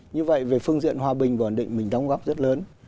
như vậy về phương diện hòa bình và ổn định mình đóng góp rất lớn